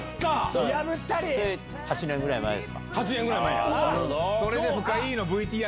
それ８年ぐらい前ですか？